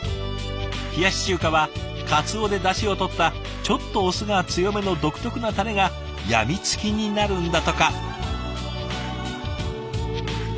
冷やし中華はかつおでだしをとったちょっとお酢が強めの独特なタレがやみつきになるんだとか。